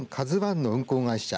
ＫＡＺＵＩの運航会社